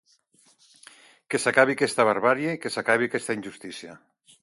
Que s’acabi aquesta barbàrie, que s’acabi aquesta injustícia.